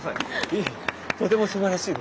いえとてもすばらしいです。